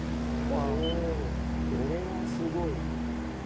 おおこれはすごい。